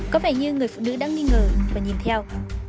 có vẻ như người phụ nữ đã nghi ngờ và nhìn theo